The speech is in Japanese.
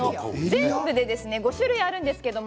全部で５種類あります。